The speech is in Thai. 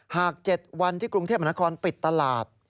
๗วันที่กรุงเทพมนาคอนปิดตลาด